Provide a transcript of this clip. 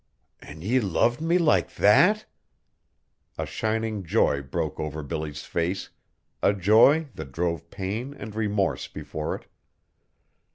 "An' ye loved me like that?" A shining joy broke over Billy's face, a joy that drove pain and remorse before it.